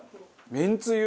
めんつゆ？